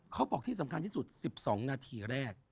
เขาบอกที่สำคัญที่สุด๑๒นาทีแรก